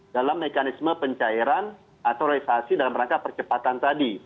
dalam mekanisme pencairan atau realisasi dalam rangka percepatan tadi